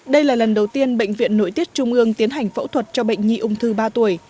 đây là lần đầu tiên bệnh viện nội tiết trung ương tiến hành phẫu thuật cho bệnh nhi ung thư ba tuổi